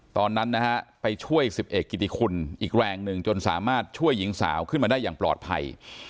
ตอนนั้นนะฮะไปช่วยสิบเอกกิติคุณอีกแรงหนึ่งจนสามารถช่วยหญิงสาวขึ้นมาได้อย่างปลอดภัย